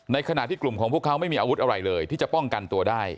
ขณะที่กลุ่มของพวกเขาไม่มีอาวุธอะไรเลยที่จะป้องกันตัวได้